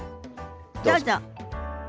どうぞ。